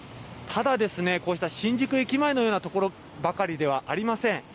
ただですね、こうした新宿駅前のような所ばかりではありません。